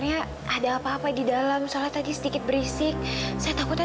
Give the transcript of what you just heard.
yang di dalam itu siapa sih bi